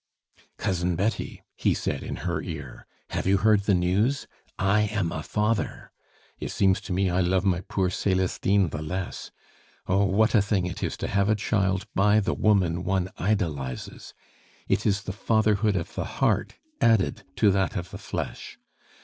"Cousin Betty," he said in her ear, "have you heard the news? I am a father! It seems to me I love my poor Celestine the less. Oh! what a thing it is to have a child by the woman one idolizes! It is the fatherhood of the heart added to that of the flesh!